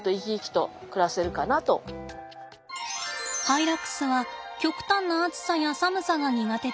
ハイラックスは極端な暑さや寒さが苦手です。